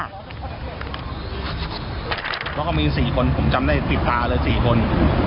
เพราะเขามี๔คนผมจำได้ติดตาเลย๔คน